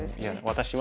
私は？